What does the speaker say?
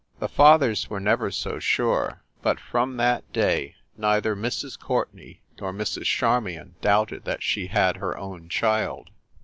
The fathers were never so sure, but, from that day, neither Mrs. Courtenay nor Mrs. Charmion doubted that she had her own child.